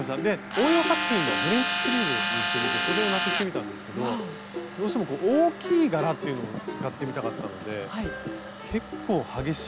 応用作品のフレンチスリーブにしてみてそでをなくしてみたんですけどどうしても大きい柄っていうのを使ってみたかったので結構激しい。